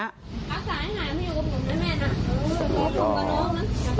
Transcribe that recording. รักษาให้หายมาอยู่กับผมด้วยแม่นะ